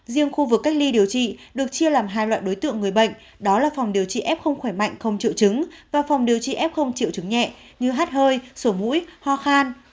riêng khu vực cách ly điều trị được chia làm hai loại đối tượng người bệnh đó là phòng điều trị f không khỏe mạnh không triệu chứng và phòng điều trị f triệu chứng nhẹ như hát hơi sổ mũi ho khan